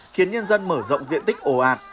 khiến nhân dân mở rộng diện tích ổ ạt